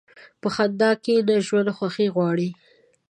په خندا کښېنه، ژوند خوښي غواړي.